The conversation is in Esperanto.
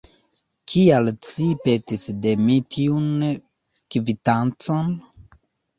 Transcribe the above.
Kial ci petis de mi tiun kvitancon?